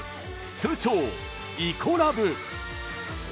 通称イコラブ。